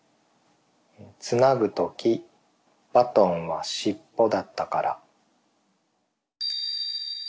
「つなぐときバトンはしっぽだったから」。